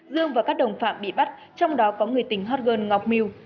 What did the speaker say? dương và các đồng phạm bị bắt trong đó có người tình hot girl ngọc miu